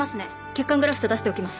血管グラフト出しておきます。